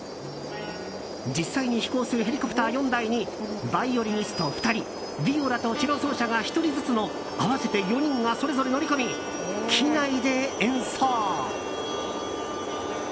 実際に飛行するヘリコプター４台にバイオリニスト２人ビオラとチェロ奏者が１人ずつの合わせて４人がそれぞれ乗り込み、機内で演奏。